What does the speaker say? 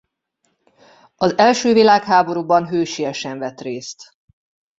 Az első világháborúban hősiesen vett részt.